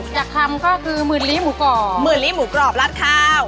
อยากทำก็คือหมื่นลิหมูกรอบหมื่นลิหมูกรอบรัดข้าว